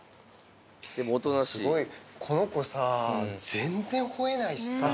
すごい、この子さ、全然ほえないしさ。